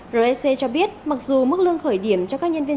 rec cho biết mặc dù mức lương khởi điểm cho các nhân viên